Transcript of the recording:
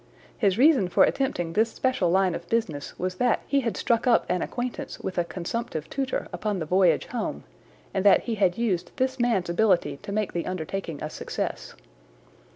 His reason for attempting this special line of business was that he had struck up an acquaintance with a consumptive tutor upon the voyage home, and that he had used this man's ability to make the undertaking a success.